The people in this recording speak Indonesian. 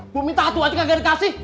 gue minta satu aja gak ada yang kasih